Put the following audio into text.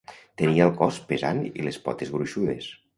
Tenia el cos pesant i les potes gruixudes.